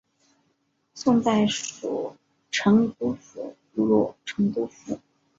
宋代属成都府路成都府。